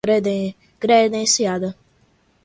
credenciada